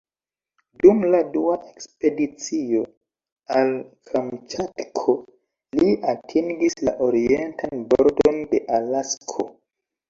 Dum la dua ekspedicio al Kamĉatko, li atingis la orientan bordon de Alasko.